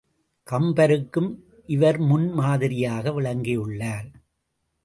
கம்பருக்கும் இவர் முன் மாதிரியாக விளங்கியுள்ளார்.